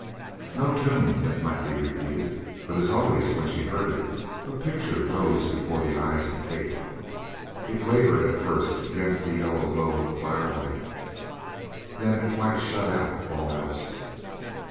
No tune that might be repeated, but as always when she heard it, a picture rose before the eyes of Kate. It wavered at first against the yellow glow of the firelight. Then it quite shut out all else.